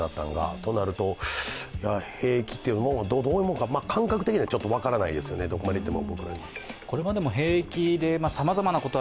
となると、兵役がどういうものなのか感覚的にはちょっと分からないですね、どこまでいっても。